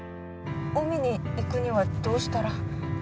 海に行くにはどうしたら。